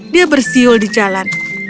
dia bersiul di jalan